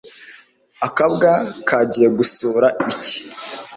Akabwa kagiye gusura iki